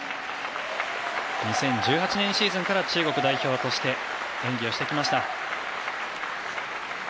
２０１８年シーズンから中国代表として演技をしてきました。